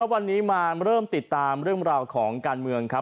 วันนี้มาเริ่มติดตามเรื่องราวของการเมืองครับ